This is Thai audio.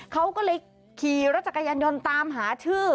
เขาก็เลยขี่รถจักรยานยนต์ตามหาชื่อ